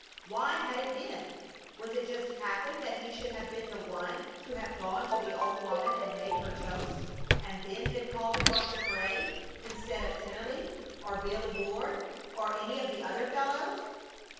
Why had it been? Was it just happen that he should have been the one to have gone to the old woman and made her toast, and then been called upon to pray, instead of Tennelly or Bill Ward or any of the other fellows?